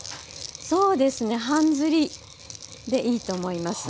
そうですね半ずりでいいと思います。